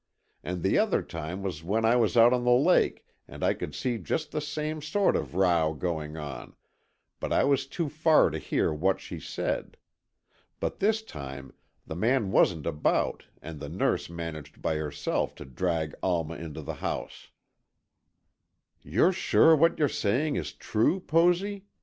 And the other time was when I was out on the lake and I could see just the same sort of row going on, but I was too far to hear what she said. But this time the man wasn't about and the nurse managed by herself to drag Alma into the house." "You're sure what you are saying is true, Posy?"